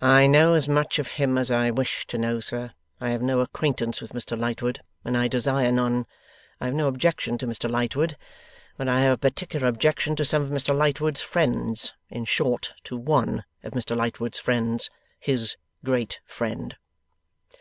'I know as much of him as I wish to know, sir. I have no acquaintance with Mr Lightwood, and I desire none. I have no objection to Mr Lightwood, but I have a particular objection to some of Mr Lightwood's friends in short, to one of Mr Lightwood's friends. His great friend.